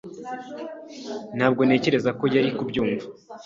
Ntabwo ntekereza ko yari kubyumva